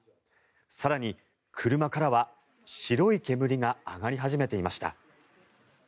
更に、車からは白い煙が上がり始めていました。